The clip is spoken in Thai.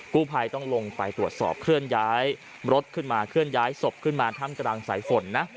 กู้ภัยต้องลงไปตรวจสอบเคลื่อนย้ายรถขึ้นมาเคลื่อนย้ายศพขึ้นมาถ้ำกลางสายฝนนะ